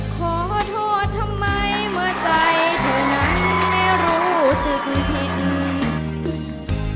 ขอโทษทำไมเมื่อใจเธอนั้นไม่รู้สึกผิด